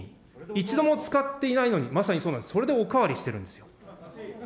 一度も使っていないのに、まさにそうなんです、それでお代わりしてるんですよ。